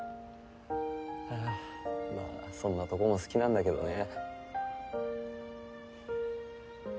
まあそんなとこも好きなんだけどね。